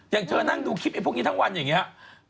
อย่างเธอนั่งดูคลิปไอ้พวกนี้ทั้งวันอย่างนี้